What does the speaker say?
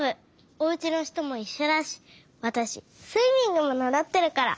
おうちのひともいっしょだしわたしスイミングもならってるから。